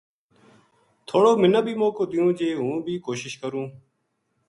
تھوڑو منا بی موقعو دیوں جی ہوں بھی کوشش کروں‘‘